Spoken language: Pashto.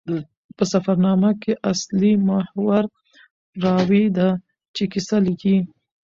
په سفرنامه کښي اصلي محور راوي ده، چي کیسه لیکي.